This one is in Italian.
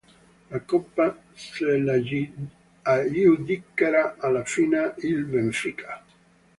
La coppa se l'aggiudicherà alla fine il Benfica.